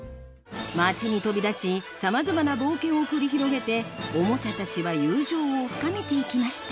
町に飛び出しさまざまな冒険を繰り広げてオモチャたちは友情を深めて行きました